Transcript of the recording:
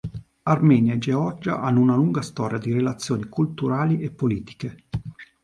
Armenia e Georgia hanno una lunga storia di relazioni culturali e politiche.